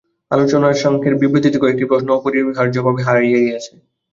আলোচনাংশের বিবৃতিতে কয়েকটি প্রশ্ন অপরিহার্যভাবে হারাইয়া গিয়াছে।